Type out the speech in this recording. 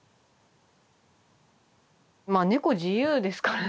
まあ猫自由ですからね。